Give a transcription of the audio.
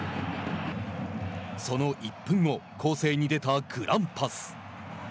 その１分後攻勢に出たグランパス。